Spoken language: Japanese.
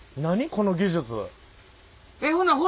この技術。